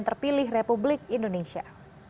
terpilih republik indonesia